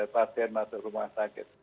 pasien masuk rumah sakit